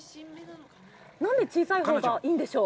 何で小さいほうがいいんでしょう？